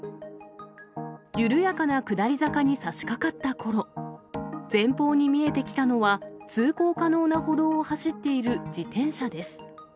緩やかな下り坂にさしかかったころ、前方に見えてきたのは、通行可能な歩道を走っている自転車です。